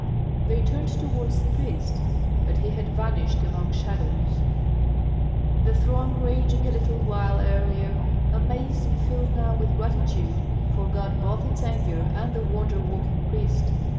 They turned toward the priest, but he had vanished among shadows. The throng raging a little while earlier, amazed and filled now with gratitude, forgot both its anger and the wonder working priest.